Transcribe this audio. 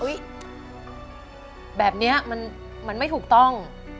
แบบนี้มันไม่ถูกต้อง